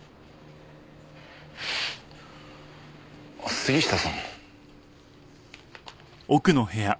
杉下さん。